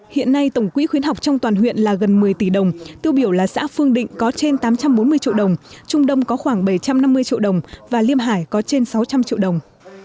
hiện nay tổng quỹ khuyến học trong toàn huyện là gần một mươi tỷ đồng tiêu biểu là xã phương định có trên tám trăm bốn mươi triệu đồng trung đông có khoảng bảy trăm năm mươi triệu đồng và liêm hải có trên sáu trăm linh triệu đồng